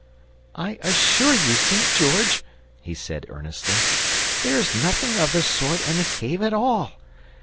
"I assure you, St. George," he said earnestly, "there's nothing of the sort in the cave at all.